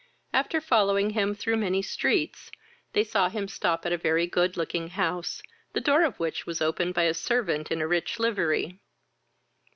After following him through many streets, they saw him stop at a very good looking house, the door of which was opened by a servant in a rich livery.